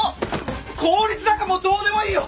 効率なんかもうどうでもいいよ！